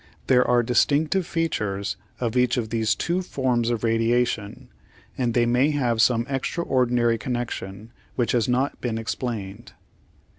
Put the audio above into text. There are distinctive fea tures of each of these two forms of radiation, and they may have some extraordinary connection which has not been explained.